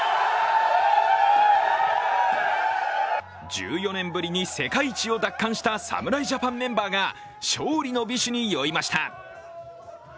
１４年ぶりに世界一を奪還した侍ジャパンメンバーが勝利の美酒に酔いました。